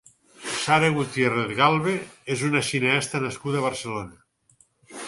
Sara Gutiérrez Galve és una cineasta nascuda a Barcelona.